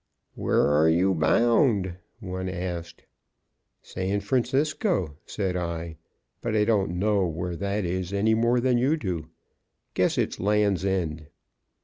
"Where are you bound?" one asked. "San Francisco," said I, "but I don't know where that is any more than do you. Guess it's land's end."